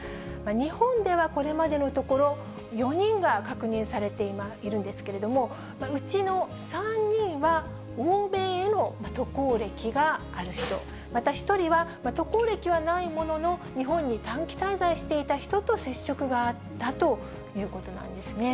日本ではこれまでのところ、４人が確認されているんですけれども、うちの３人は、欧米への渡航歴がある人、また１人は渡航歴はないものの、日本に短期滞在していた人と接触があったということなんですね。